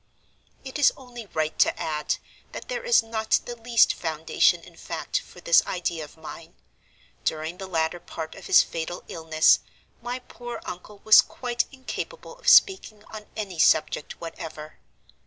"It is only right to add that there is not the least foundation in fact for this idea of mine. During the latter part of his fatal illness, my poor uncle was quite incapable of speaking on any subject whatever.